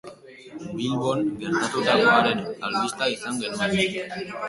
Bilbon gertatutakoaren albistea izan genuen.